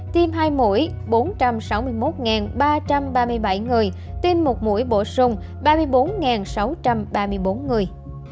tiêm hai mũi bốn trăm sáu mươi một ba trăm ba mươi bảy người tiêm một mũi bổ sung ba mươi bốn sáu trăm ba mươi bốn người